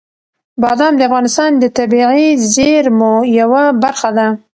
بادام د افغانستان د طبیعي زیرمو یوه برخه ده.